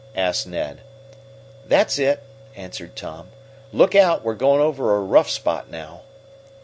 asked Ned. "That's it," answered Tom. "Look out, we're going over a rough spot now."